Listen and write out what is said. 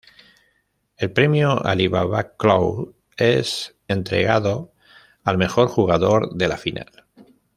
El premio Alibaba Cloud es entregado al mejor jugador de la final.